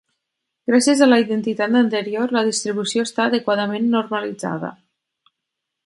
Gràcies a la identitat anterior, la distribució està adequadament normalitzada.